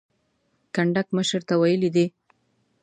کنډک مشر ته ویلي دي.